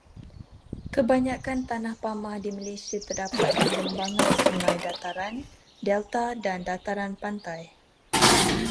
Kebanyakan tanah pamah di Malaysia terdapat di lembangan sungai, dataran, delta dan dataran pantai.